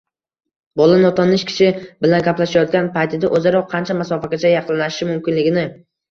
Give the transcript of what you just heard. bola notanish kishi bilan gaplashayotgan paytida o‘zaro qancha masofagacha yaqinlashish mumkinligini